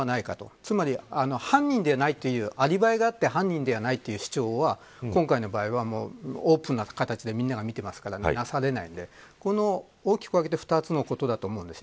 つまり犯人ではないというアリバイがあって犯人ではないていう主張は今回の場合はオープンな形で見ているのでみなされないので、大きく分けてこの２つのことだと思います。